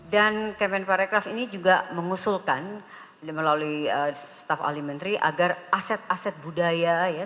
dan kemen parekraf ini juga mengusulkan melalui staff alimentri agar aset aset budaya ya